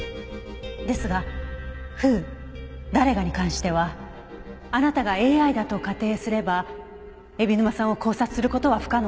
ですがＷＨＯ「誰が」に関してはあなたがＡＩだと仮定すれば海老沼さんを絞殺する事は不可能です。